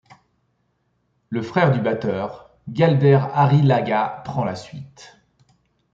Le frère du batteur, Galder Arrillaga prend la suite.